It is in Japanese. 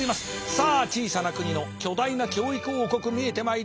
さあ小さな国の巨大な教育王国見えてまいりました。